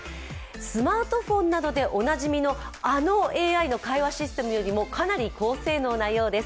スマートフォンなどでおなじみの、あのＡＩ会話型システムよりもをかなり高性能なようです。